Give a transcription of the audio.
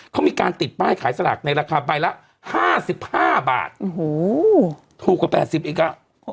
เขามีการติดป้ายขายสลากในราคาใบละ๕๕บาทโอ้โหถูกกว่า๘๐อีกอ่ะ